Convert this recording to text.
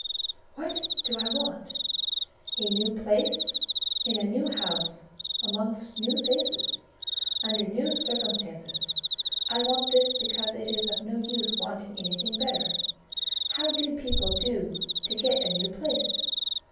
"What do I want? A new place, in a new house, amongst new faces, under new circumstances: I want this because it is of no use wanting anything better. How do people do to get a new place?